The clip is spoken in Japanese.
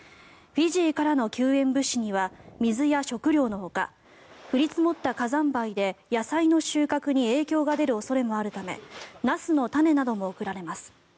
フィジーからの救援物資には水や食料のほか降り積もった火山灰で野菜の収穫に影響が出る恐れもあるためナスの種なども送られます。